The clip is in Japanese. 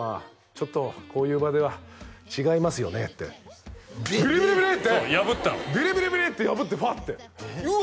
「ちょっとこういう場では違いますよね」ってビリビリビリって破ったのビリビリビリって破ってフワッてうわ